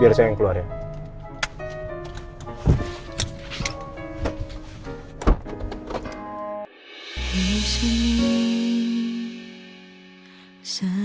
biar saya yang keluar ya